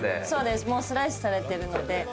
そうです、もうスライスされているので。